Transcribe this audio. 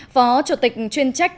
phó chủ tịch chuyên trách